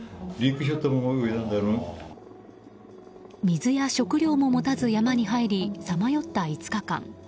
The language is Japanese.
水や食料も持たずに山に入りさまよった５日間。